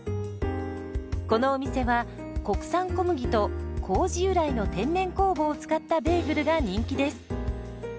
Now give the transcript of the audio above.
このお店は国産小麦と麹由来の天然酵母を使ったベーグルが人気です。